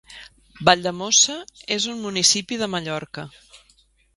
Valldemossa és un municipi de Mallorca.